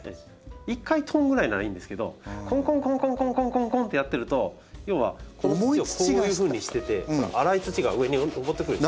１回トンぐらいならいいんですけどコンコンコン！ってやってると要はこの土をこういうふうにしててこの粗い土が上に上ってくるでしょ。